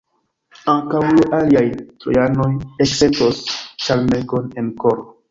Ankaŭ l' aliaj Trojanoj eksentos ĉarmegon en koro.